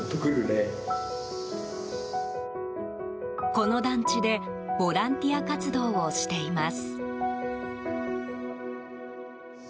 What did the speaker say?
この団地でボランティア活動をしています。